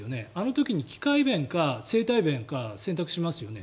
あの時に機械弁か生体弁って選択しますよね。